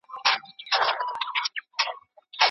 د سلیم فطرت غوښتنه تل عادلانه قضاوت وي.